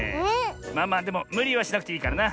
まあまあでもむりはしなくていいからな。